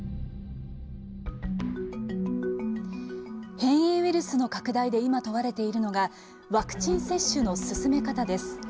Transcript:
変異ウイルスの拡大で今、問われているのがワクチン接種の進め方です。